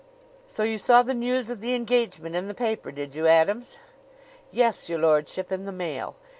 "So you saw the news of the engagement in the paper, did you, Adams?" "Yes, your lordship, in the Mail.